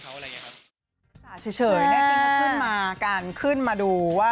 ขึ้นมาการขึ้นมาดูว่า